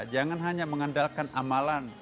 jangan hanya mengandalkan amalan